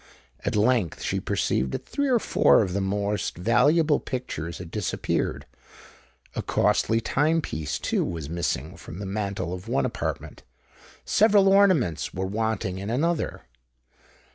At length she perceived that three or four of the most valuable pictures had disappeared: a costly time piece, too, was missing from the mantel of one apartment: several ornaments were wanting in another.